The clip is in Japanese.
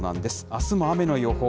あすも雨の予報。